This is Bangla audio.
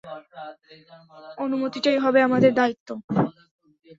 অনুমতিটাই হবে আমাদের দায়িত্ব।